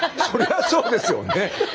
そりゃあそうですよね。